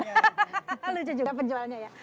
lucu juga penjualnya ya